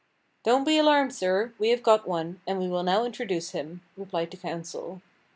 "Don't be alarmed, sir, we have got one, and we will now introduce him," replied the counsel.